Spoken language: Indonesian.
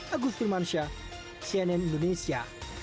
agus filmansyah cnn indonesia